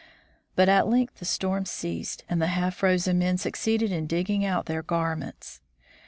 But at length the storm ceased and the half frozen men succeeded in digging out their gar ments.